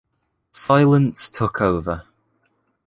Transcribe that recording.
Silence took over.